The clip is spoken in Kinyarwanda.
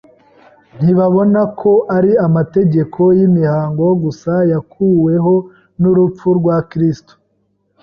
Ntibabona ko ari amategeko y’imihango gusa yakuweho n’urupfu rwa Kristo.